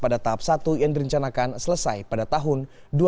dan tahap satu yang direncanakan selesai pada tahun dua ribu dua puluh tiga